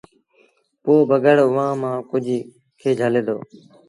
پوء بگھڙ اُئآݩٚ مآݩٚ ڪجھ کي جھلي دو